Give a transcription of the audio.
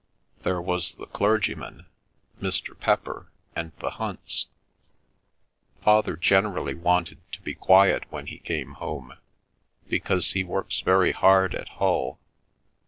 There was the clergyman, Mr. Pepper, and the Hunts. Father generally wanted to be quiet when he came home, because he works very hard at Hull.